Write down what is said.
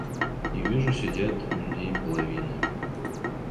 И вижу: сидят людей половины.